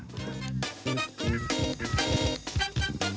เหมือนกันอย่างน้อยเหมือนกันอย่างน้อย